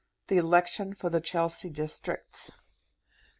The Election for the Chelsea Districts.